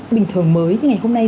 bình thường mới như ngày hôm nay